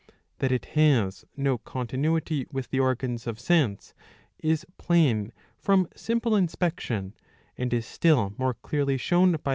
That it has no continuity with the organs of sense is plain from simple inspection, and is still more clearly shown by.